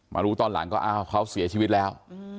รู้ตอนหลังก็อ้าวเขาเสียชีวิตแล้ว